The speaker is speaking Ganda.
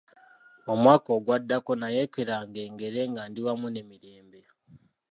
Omwaka ogwaddako nayeekeranga engere nga ndi wamu ne Mirembe.